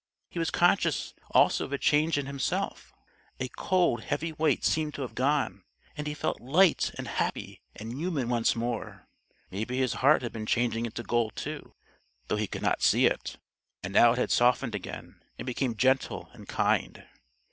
He was conscious, also of a change in himself: a cold, heavy weight seemed to have gone, and he felt light, and happy, and human once more. Maybe his heart had been changing into gold too, though he could not see it, and now it had softened again and become gentle and kind.